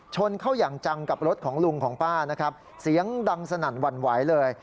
ชนเข้าอย่างจังกับรถของลุงของป้านะครับเสียงดังสนั่นหวั่นไหวเลย